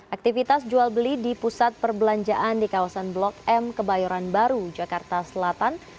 aktivitas jual beli di pusat perbelanjaan di kawasan blok m kebayoran baru jakarta selatan